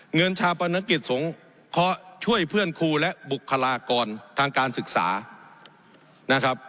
เงินชปนสคเขาช่วยเพื่อนครูและบุคลากรทางการศึกษานะครับ